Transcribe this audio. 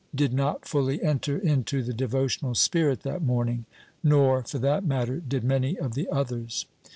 did not fully enter into the devotional spirit that morning. Nor, for that matter, did many of the others.